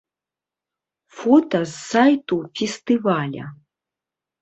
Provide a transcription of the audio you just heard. Фота з сайту фестываля.